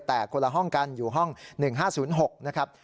แต่คนละห้องกันอยู่ห้อง๑๕๐๖นะครับ